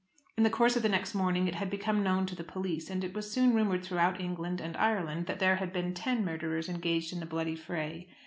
In the course of the next morning it had become known to the police, and it was soon rumoured throughout England and Ireland that there had been ten murderers engaged in the bloody fray.